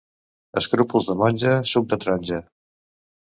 Escrúpols de monja, suc de taronja.